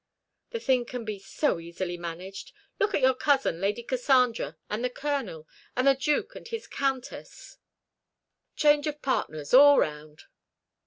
The thing can be so easily managed. Look at your cousin, Lady Cassandra, and the Colonel, and the Duke and his Countess change of partners all round."